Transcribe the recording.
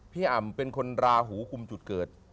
อ่ำเป็นคนราหูคุมจุดเกิด